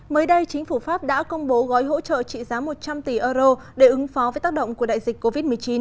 mới đây chính phủ pháp đã công bố gói hỗ trợ trị giá một trăm linh tỷ euro để ứng phó với tác động của đại dịch covid một mươi chín